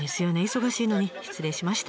忙しいのに失礼しました。